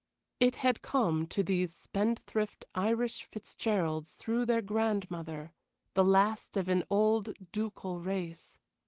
It had come to these spendthrift Irish Fitzgeralds through their grandmother, the last of an old ducal race.